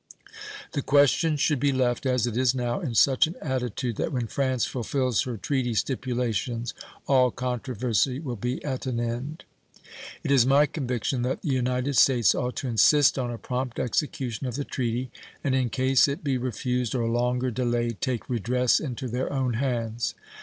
The question should be left, as it is now, in such an attitude that when France fulfills her treaty stipulations all controversy will be at an end. It is my conviction that the United States ought to insist on a prompt execution of the treaty, and in case it be refused or longer delayed take redress into their own hands.